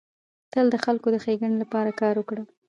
تل د خلکو د ښيګڼي لپاره کار وکړه.